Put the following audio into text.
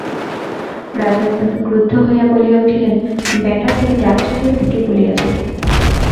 রাজা অত্যন্ত ক্রুদ্ধ হইয়া বলিয়া উঠিলেন, বেটা তোকে যাত্রা করিতে কে বলিয়াছিল?